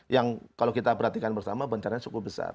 yang kalau kita perhatikan bersama bencana cukup besar